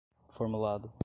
formulado